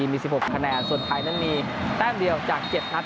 มี๑๖คะแนนส่วนไทยนั้นมีแต้มเดียวจาก๗นัด